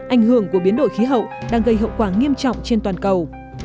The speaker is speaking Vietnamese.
ảnh hưởng của biến đổi khí hậu đang gây hậu quả nghiêm trọng trên toàn cầu